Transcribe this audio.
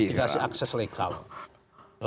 dikasih akses legal